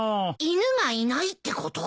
犬がいないってこと？